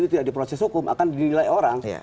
tidak diproses hukum akan dinilai orang